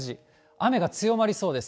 雨が強まりそうです。